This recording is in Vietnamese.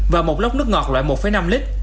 và một lốc nước ngọt loại một năm lít